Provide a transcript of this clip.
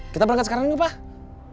kita berangkat sekarang ini pak